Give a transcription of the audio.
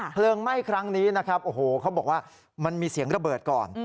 เพลิงไหม้ครั้งนี้เขาบอกว่ามันมีเสียงระเบิดก่อน